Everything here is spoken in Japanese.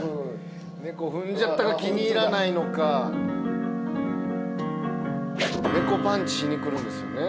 『猫踏んじゃった』が気に入らないのか猫パンチしに来るんですよね。